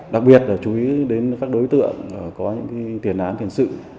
đặc biệt là chú ý đến các đối tượng có những tiền án tiền sự